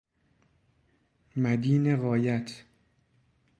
مدین غایت